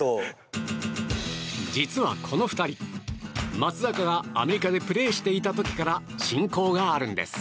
実はこの２人、松坂がアメリカでプレーしていた時から親交があるんです。